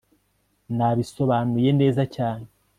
nabisobanuye neza cyane